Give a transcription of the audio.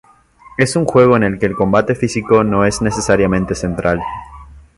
Es un juego en el que el combate físico no es necesariamente central.